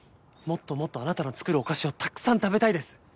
もっともっとあなたの作るお菓子をたくさん食べたいです。